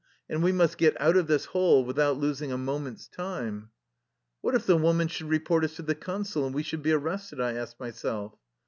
" And we must get out of this hole without los ing a moment's time." " What if the woman should report us to the Consul and we should be arrested? " I asked my self.